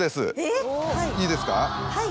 いいですか？